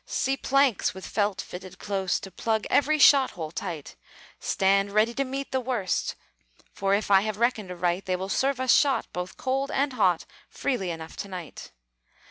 See planks with felt fitted close, To plug every shot hole tight. Stand ready to meet the worst! For, if I have reckoned aright, They will serve us shot, Both cold and hot, Freely enough to night.